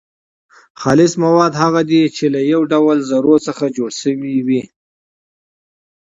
خالص مواد هغه دي چي له يو ډول ذرو څخه جوړ سوي وي.